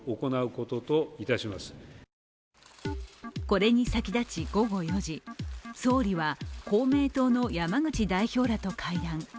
これに先立ち、午後４時総理は公明党の山口代表らと会談。